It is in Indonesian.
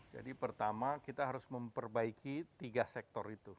jadi pertama kita harus memperbaiki tiga sektor itu